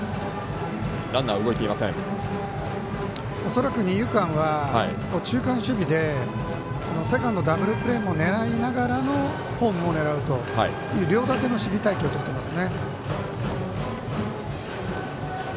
恐らく二遊間は中間守備でセカンドダブルプレーも狙いながらもホームも狙うという守備隊形をとっています。